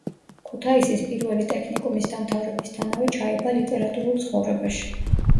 ქუთაისის პირველი ტექნიკუმის დამთავრებისთანავე ჩაება ლიტერატურულ ცხოვრებაში.